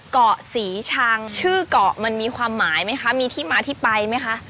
เกาะศรีชางชื่อเกาะมันมีความหมายไหมคะมีที่มาที่ไปไหมคะ